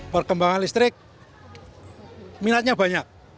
perkembangan listrik minatnya banyak